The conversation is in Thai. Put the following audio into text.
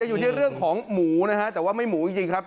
อยู่ที่เรื่องของหมูนะฮะแต่ว่าไม่หมูจริงครับ